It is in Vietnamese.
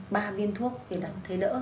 ba viên thuốc để đảm thế đỡ